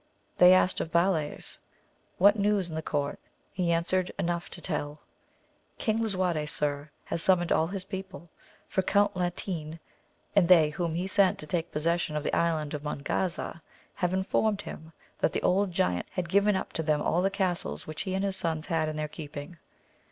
They asked of Balays, What news in the court? he answered. Enough to tell. King Lisuarte sir has summoned all his people ; for Count Latine and they whom he sent to take possession of the Island of Mongaza, have informed him that the old giant had given up to them all the castles which he and his sons had in their keeping.